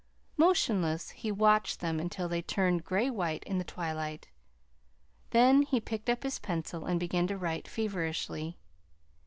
Motionless, he watched them until they turned gray white in the twilight. Then he picked up his pencil and began to write feverishly.